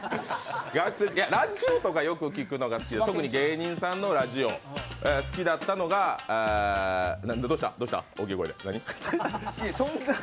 ラジオとかよく聞くのが好きで、特に芸人さんのラジオ、好きだったのが、どうした？